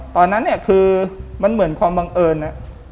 ตอนนั้นเนี่ยคือมันเหมือนความบังเอิญ